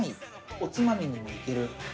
おつまみにもいける。